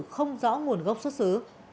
không rõ nguồn gốc xuất xứ